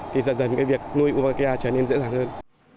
thì dần dần cái việc nuôi uvakia trở nên dễ dàng hơn